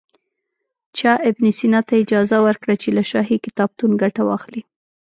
چا ابن سینا ته اجازه ورکړه چې له شاهي کتابتون ګټه واخلي.